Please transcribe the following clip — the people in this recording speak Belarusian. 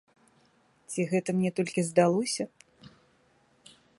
Ці гэта мне толькі здалося?